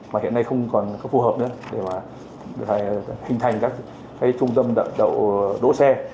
mà hiện nay không còn phù hợp nữa để mà hình thành các trung tâm đậu đỗ xe